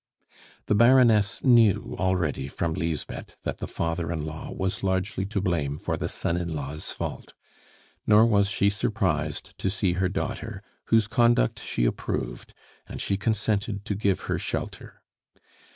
The Baroness knew already from Lisbeth that the father in law was largely to blame for the son in law's fault; nor was she surprised to see her daughter, whose conduct she approved, and she consented to give her shelter.